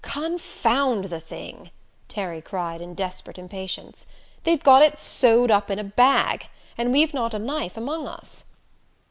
"Confound the thing!" Terry cried in desperate impatience. "They've got it sewed up in a bag! And we've not a knife among us!"